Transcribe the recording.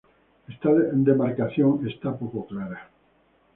Esta demarcación es poco clara.